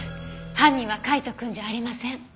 犯人は海斗くんじゃありません。